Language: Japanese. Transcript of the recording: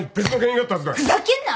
ふざけんな。